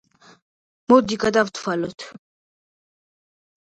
მოდი გადავთვალოთ.